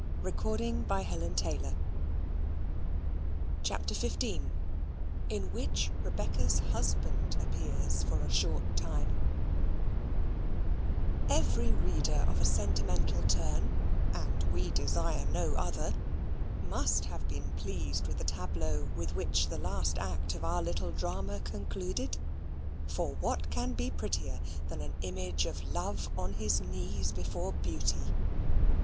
"Oh, sir I I'm married ALREADY." CHAPTER XV In Which Rebecca's Husband Appears for a Short Time Every reader of a sentimental turn (and we desire no other) must have been pleased with the tableau with which the last act of our little drama concluded; for what can be prettier than an image of Love on his knees before Beauty?